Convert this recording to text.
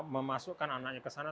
memasukkan anaknya kesana